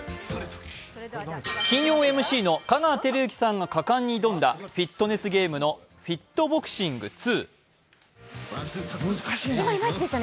金曜ＭＣの香川照之さんが果敢に挑んだフィットネスゲームの「ＦｉｔＢｏｘｉｎｇ２」。